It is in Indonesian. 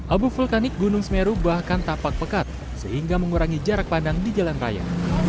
abu vulkanik gunung semeru bahkan tampak pekat sehingga mengurangi jarak pandang di jalan raya